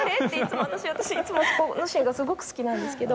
私いつもこのシーンがすごく好きなんですけど。